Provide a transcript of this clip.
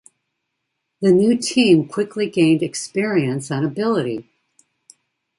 The new team quickly gained experience and ability.